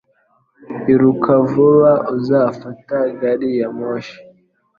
Iruka vuba uzafata gari ya moshi